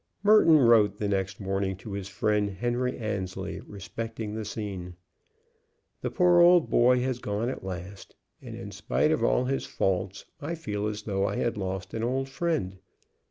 Merton wrote the next morning to his friend Henry Annesley respecting the scene. "The poor old boy has gone at last, and, in spite of all his faults, I feel as though I had lost an old friend.